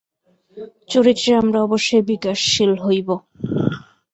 চরিত্রে আমরা অবশ্যই বিকাশশীল হইব।